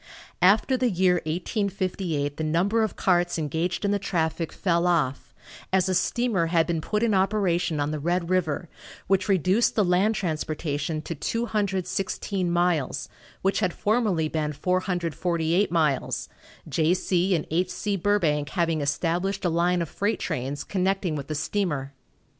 After the year 1858 the number of carts engaged in the traffic fell off, as a steamer had been put in operation on the Red river, which reduced the land transportation to 216 miles, which had formerly been 448 miles, J. C. & H. C. Burbank having established a line of freight trains connecting with the steamer.